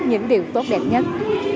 những điều tốt đẹp nhất